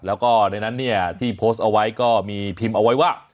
แล้วก็ในนั้นเนี่ยที่โพสต์เอาไว้ก็มีพิมพ์เอาไว้ว่า